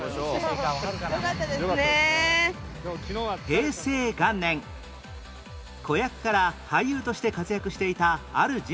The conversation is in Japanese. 平成元年子役から俳優として活躍していたある人物が